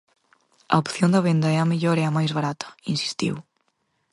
"A opción da venda é a mellor e a máis barata", insistiu.